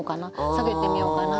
下げてみようかな？